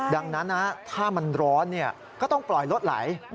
ดังนั้นถ้ามันร้อนก็ต้องปล่อยรถไหล